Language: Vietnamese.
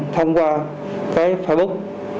thông qua cái facebook